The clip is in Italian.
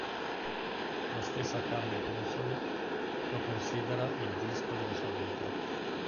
La stessa Carmen Consoli lo considera il disco della sua vita.